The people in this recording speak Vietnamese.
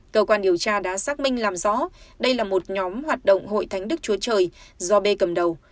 cơ quan điều tra đã xác minh làm rõ đây là một nhóm hoạt động hội thánh đức chúa trời do b cầm đầu